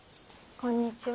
こんにちは。